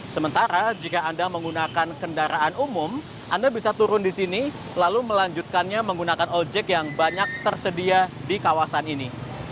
sementara jika anda menggunakan kendaraan umum anda bisa turun di sini lalu melanjutkannya menggunakan ojek yang banyak tersedia di kawasan ini